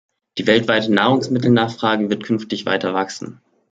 Die weltweite Nahrungsmittelnachfrage wird künftig weiter wachsen.